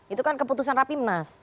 itu kan keputusan rapim nas